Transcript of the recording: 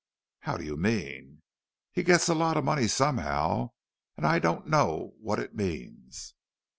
"How do you mean?" "He gets a lot of money somehow, and I don't know what it means."